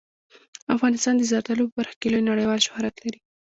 افغانستان د زردالو په برخه کې لوی نړیوال شهرت لري.